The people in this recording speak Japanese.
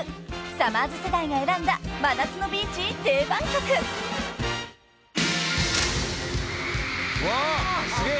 ［さまぁず世代が選んだ真夏のビーチ定番曲］わすげえ！